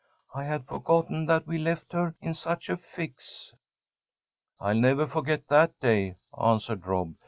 I had forgotten that we left her in such a fix!" "I'll never forget that day," answered Rob.